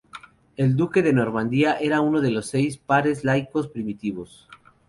El duque de Normandía era uno de los seis pares laicos primitivos.